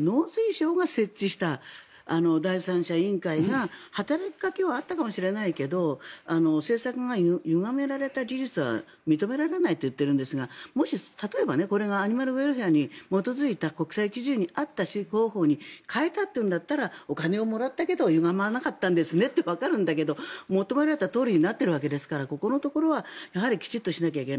農水省が設置した第三者委員会が働きかけはあったかもしれないけれど政策がゆがめられた事実は認められないと言っているんですがもし、例えばこれがアニマルウェルフェアに基づいた国際基準に合った飼育方法に変えたというんだったらお金をもらったけどゆがまなかったんですねとわかるんだけど求められたとおりになっているわけですからここのところは、やはりきちんとしないといけない。